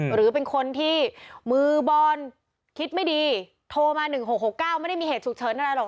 หรือเป็นคนที่มือบอลคิดไม่ดีโทรมา๑๖๖๙ไม่ได้มีเหตุฉุกเฉินอะไรหรอก